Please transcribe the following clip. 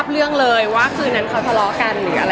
ก็คืออยู่ด้วยกันในงานวันเกิด